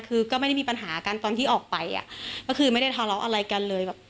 คือก็ไม่ได้มีปัญหากันตอนที่ออกไปอ่ะก็คือไม่ได้ทะเลาะอะไรกันเลยแบบ